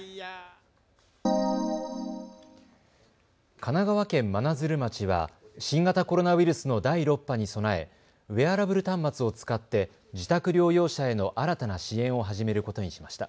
神奈川県真鶴町は新型コロナウイルスの第６波に備え、ウエアラブル端末を使って自宅療養者への新たな支援を始めることにしました。